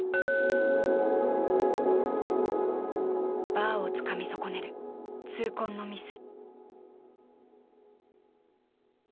バーをつかみ損ねる痛恨のミス。